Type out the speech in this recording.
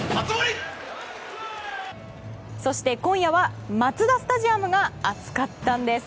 そして、今夜はマツダスタジアムが熱かったんです。